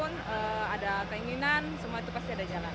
ada tekun ada keinginan semua itu pasti ada jalan